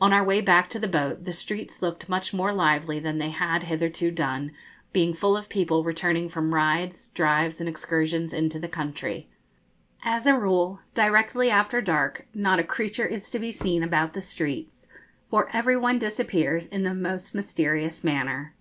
On our way back to the boat, the streets looked much more lively than they had hitherto done, being full of people returning from rides, drives, and excursions into the country. As a rule, directly after dark not a creature is to be seen about the streets, for every one disappears in the most mysterious manner.